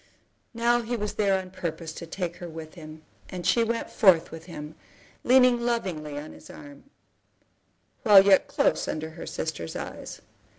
Now he was there on purpose to take her with him, and she went forth with him, leaning lovingly on his arm, while yet close under her sister's eyes.